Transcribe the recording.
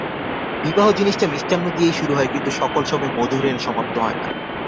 বিবাহ জিনিসটা মিষ্টান্ন দিয়েই শুরু হয়, কিন্তু সকল সময় মধুরেণ সমাপ্ত হয় না।